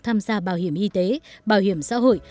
tham gia bảo hiểm y tế bảo hiểm xã hội